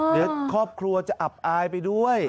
เดี๋ยวครอบครัวจะอับอายไปด้วย